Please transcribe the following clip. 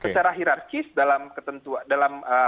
secara hirarkis dalam